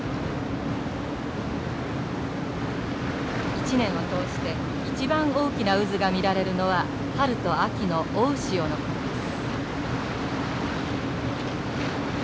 一年を通して一番大きな渦が見られるのは春と秋の大潮の時です。